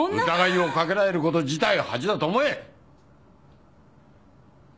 疑いをかけられることじたいを恥だと思え！